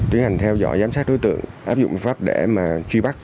tiến hành theo dõi giám sát đối tượng áp dụng biện pháp để mà truy bắt